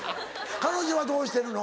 彼女はどうしてるの？